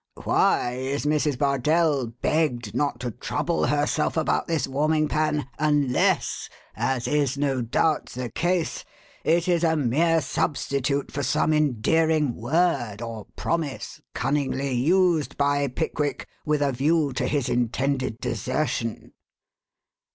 Why is Mrs. Bardell begged not to trouble herself about this warming pan, unless (as is no doubt the case) it is a mere substitute for some endearing word or promise, cunningly used by Pickwick, with a view to his intended desertion?